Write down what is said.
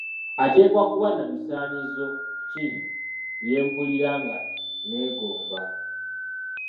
Ateekwa kuba nabisaanyizo ki byempulira nga nneegomba?